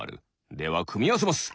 ではくみあわせます。